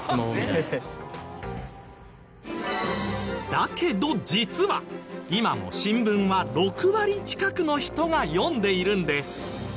だけど実は今も新聞は６割近くの人が読んでいるんです。